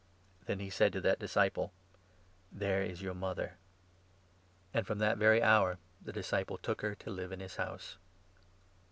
Then he said to that disciple : 27 "There is your. mother." And from that very hour the disciple took her to live in his house.